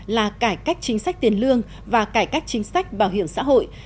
là cải cách chính sách tiền lương và cải cách chính sách bảo hiểm xã hội